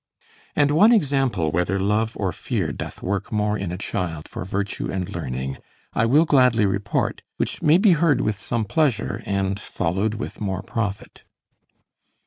And one example whether love or fear doth work more in a child for virtue and learning, I will gladly report; which may be heard with some pleasure, and followed with more profit.